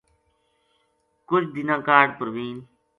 کُجھ دِناں کاہڈ پروین